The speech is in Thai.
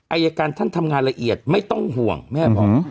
อายการท่านทำงานละเอียดไม่ต้องห่วงแม่บอก